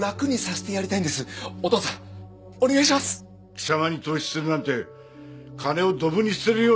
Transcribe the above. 貴様に投資するなんて金をドブに捨てるようなもんだ。